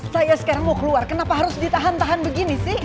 saya sekarang mau keluar kenapa harus ditahan tahan begini sih